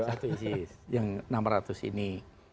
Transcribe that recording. satu jis yang enam ratus ini